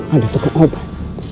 ada tukang obat